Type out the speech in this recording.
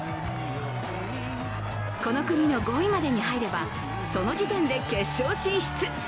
この組の５位までに入れば、その時点で決勝進出。